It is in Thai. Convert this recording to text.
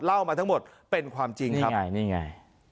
เล่ามาทั้งหมดเป็นความจริงครับยังไงนี่ไง